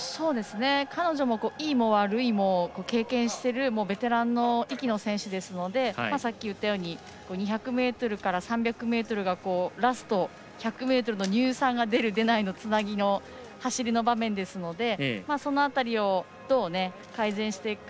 彼女もいいも悪いも経験しているベテランの域の選手ですのでさっき言ったように２００ｍから３００ｍがラスト１００ｍの乳酸が出る出ないのつなぎの走りの場面ですのでその辺りを、どう改善していくか。